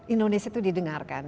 indonesia itu didengarkan